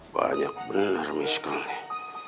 banyak benar miskin nih